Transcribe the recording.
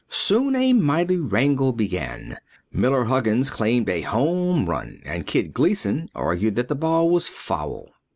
Soon a mighty wrangle began. Miller Huggins claimed a home run and Kid Gleason argued that the ball was foul.